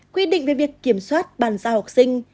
quy định về việc kiểm soát bàn giao học sinh